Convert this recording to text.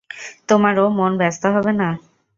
তোমারও মন ব্যস্ত হবে না?